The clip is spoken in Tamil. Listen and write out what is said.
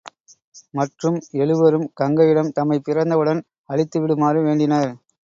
மற்றும் எழுவரும் கங்கையிடம் தம்மைப் பிறந்தவுடன் அழித்து விடுமாறு வேண்டினர்.